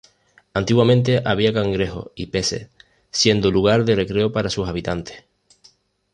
Antiguamente había cangrejos y peces, siendo lugar de recreo para sus habitantes.